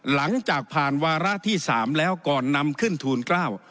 หลังจากผ่านวาระที่สามแล้วก่อนนำขึ้นทูลเกล้า